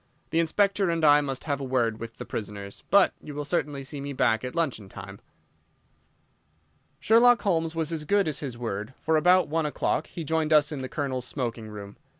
The Inspector and I must have a word with the prisoners, but you will certainly see me back at luncheon time." Sherlock Holmes was as good as his word, for about one o'clock he rejoined us in the Colonel's smoking room.